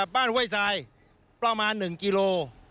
บ้านฮวยซายประมาณ๑กิโล